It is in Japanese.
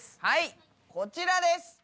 はいこちらです。